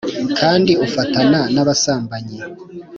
Kandi ufatana n abasambanyi